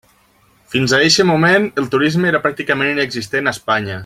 Fins a eixe moment el turisme era pràcticament inexistent a Espanya.